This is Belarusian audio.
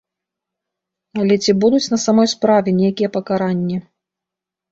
Але ці будуць на самой справе нейкія пакаранні?